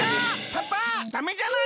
パパダメじゃないの！